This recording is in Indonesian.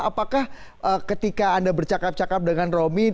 apakah ketika anda bercakap cakap dengan romi